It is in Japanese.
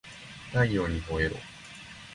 太陽にほえろ